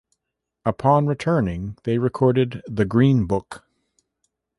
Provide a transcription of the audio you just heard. Upon returning they recorded "The Green Book".